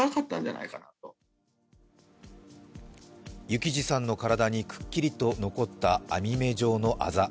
幸士さんの体にくっきりと残った網目状のあざ。